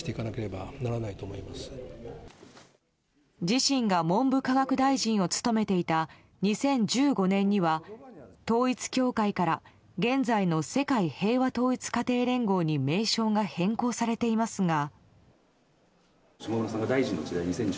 自身が文部科学大臣を務めていた２０１５年には統一教会から現在の世界平和統一家庭連合に名称が変更されていますが。